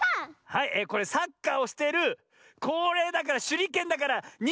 はいこれサッカーをしているこれだからしゅりけんだからにんじゃ！